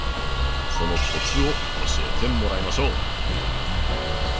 そのコツを教えてもらいましょう。